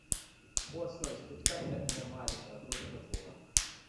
У аснове спектакля няма літаратурнага твора.